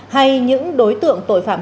hay những đối tượng tội phạm